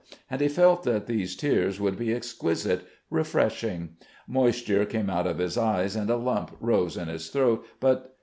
And he felt that these tears would be exquisite, refreshing. Moisture came out of his eyes and a lump rose in his throat, but....